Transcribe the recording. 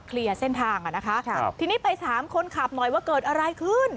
เคลียร์เส้นทางอ่ะนะคะครับทีนี้ไปถามคนขับหน่อยว่าเกิดอะไรขึ้น